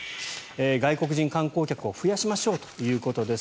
外国人観光客を増やしましょうということです。